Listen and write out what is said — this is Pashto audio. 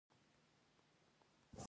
زه سندرې اورم